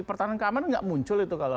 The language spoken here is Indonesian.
pertahanan dan keamanan enggak muncul itu